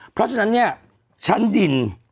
เพราะฉะนั้นเนี่ยชั้นดิน